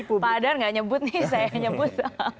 padar nggak nyebut nih saya nyebut